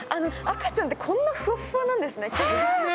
赤ちゃんってこんなふわっふわなんですね。